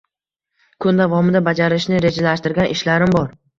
Kun davomida bajarishni rejalashtirgan ishlarim bor